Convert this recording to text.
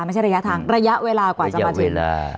ไม่ใช่ระยะทางระยะเวลากว่าจะมาถึง